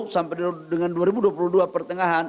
sampai dengan dua ribu dua puluh dua pertengahan